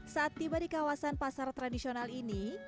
saat tiba di kawasan pasar tradisional ini